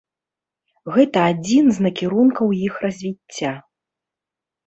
Гэта адзін з накірункаў іх развіцця.